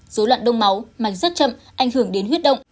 dối loạn đông máu mạch rất chậm ảnh hưởng đến huyết động